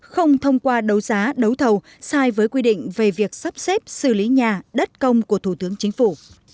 không thông qua đấu giá đấu thầu sai với quy định về việc sắp xếp xử lý nhà đất công của thủ tướng chính phủ